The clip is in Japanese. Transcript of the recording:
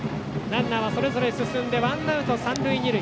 ランナーはそれぞれ進んでワンアウト三塁二塁。